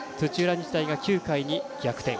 日大が９回に逆転。